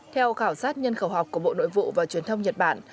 theo khảo sát nhân khẩu học của bộ nội vụ và truyền thông nhật bản